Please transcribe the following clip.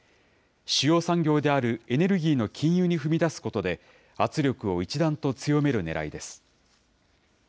主要産業であるエネルギーの禁輸に踏み出すことで、圧力を一段と強めるねらいです。